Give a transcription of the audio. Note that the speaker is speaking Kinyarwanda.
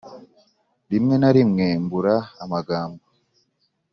rimwe narimwe mbura amagambo